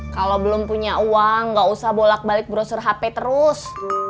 kalau belum punya uang nggak usah bolak balik brosur hp terus